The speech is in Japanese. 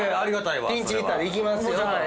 ピンチヒッターで行きますよと。